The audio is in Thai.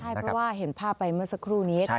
ใช่เพราะว่าเห็นภาพไปเมื่อสักครู่นี้